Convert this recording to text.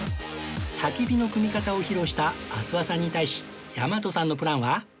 焚き火の組み方を披露した阿諏訪さんに対し大和さんのプランは